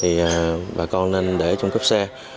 thì bà con nên để trong cấp xe